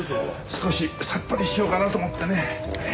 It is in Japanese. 少しさっぱりしようかなと思ってね。